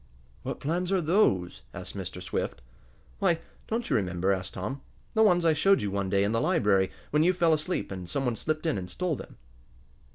"What plans are those?" asked Mr. Swift. "Why, don't you remember?" asked Tom. "The ones I showed you one day, in the library, when you fell asleep, and some one slipped in and stole them."